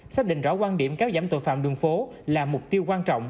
xác định rõ quan điểm kéo giảm tội phạm đường phố là mục tiêu quan trọng